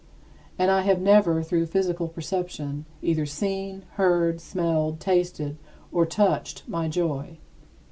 And I have never, through physical perception, either seen, heard, smelled, tasted, or touched my joy.